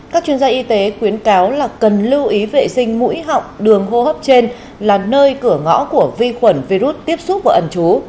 các chuyên gia y tế khuyến cáo là cần lưu ý vệ sinh mũi họng đường hô hấp trên là nơi cửa ngõ của vi khuẩn virus tiếp xúc và ẩn trú